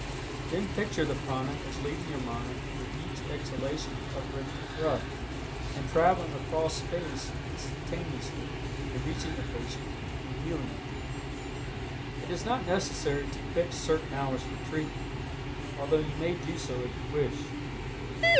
Then picture the prana as leaving your mind with each exhalation of rhythmic breath, and traveling across space instantaneously and reaching the patient and healing him. It is not necessary to fix certain hours for treatment, although you may do so if you wish.